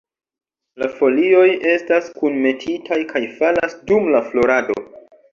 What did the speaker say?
La folioj estas kunmetitaj kaj falas dum la florado.